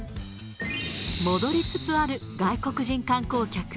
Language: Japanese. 戻りつつある外国人観光客。